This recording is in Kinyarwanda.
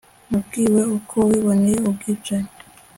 Nabwiwe ko wiboneye ubwicanyi